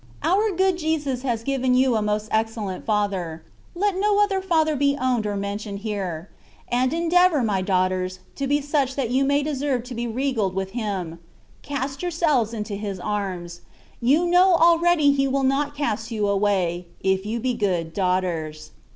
Our good Jesus has given you a most excelleiit Father ; let no other Father be owned or m^a tioned here^ and endeavour, my daughters, t^ be such that you may deserve to be regaied with Him; oast yourselves into His arms, you know already He will not cast you away, if you be good daughters.